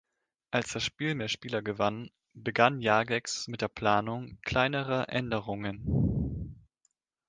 Als das Spiel mehr Spieler gewann, begann Jagex mit der Planung kleinerer Änderungen.